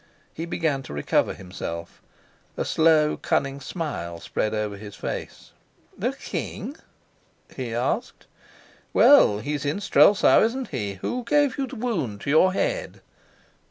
He began to recover himself. A slow, cunning smile spread over his face. "The king?" he asked. "Well, he's in Strelsau, isn't he? Who gave you the wound on your head?"